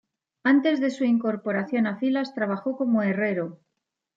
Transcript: Antes de su incorporación a filas trabajó como herrero.